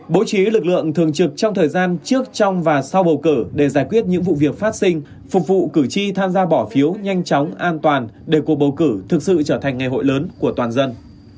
bố trí lực lượng thường trực trong thời gian trước trong và sau bầu cử để giải quyết những vụ việc phát sinh phục vụ cử tri tham gia bỏ phiếu nhanh chóng an toàn để cuộc bầu cử thực sự trở thành ngày hội lớn của toàn dân